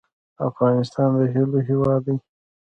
افغانستان د هیلو هیواد دی